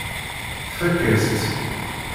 Tfakk-as-tt.